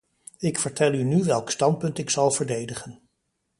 Ik vertel u nu welk standpunt ik zal verdedigen.